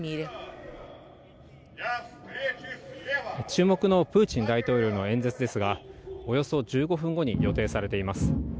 注目のプーチン大統領の演説ですが、およそ１５分後に予定されています。